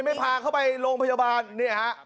ไม่พาเขาไปโรงพยาบาลเนี่ยฮะ